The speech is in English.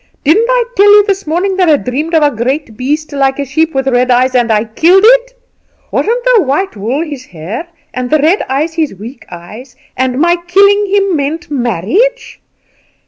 Didn't I tell you this morning that I dreamed of a great beast like a sheep, with red eyes, and I killed it? Wasn't the white wool his hair, and the red eyes his weak eyes, and my killing him meant marriage?